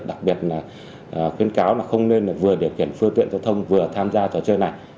đặc biệt là khuyến cáo là không nên vừa điều khiển phương tiện giao thông vừa tham gia trò chơi này